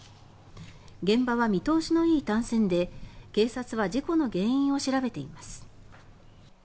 現場は見通しのいい単線で警察は事故の原因を調べています。